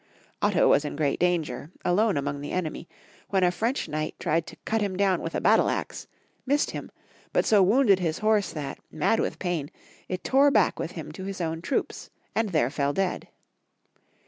Otto was in great danger, alone among the enemy, when a French knight tried to cut him down with a battle axe, missed him, but so wounded his horse that, mad with pain, it tore back with him to his own troops, and there fell dead.